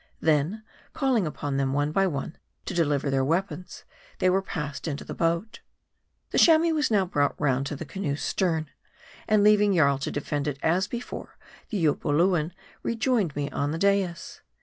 Then, calling upon them one by one to deliver their weapons, they were passed into the boat. The Chamois was now brought round to the canoe's stern ; and leaving Jarl to defend it as before, the Upoluan rejoined me on the dais.